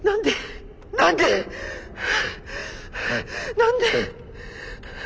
何で。